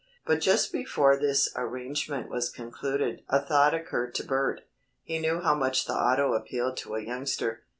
But just before this arrangement was concluded a thought occurred to Bert. He knew how much the auto appealed to a youngster.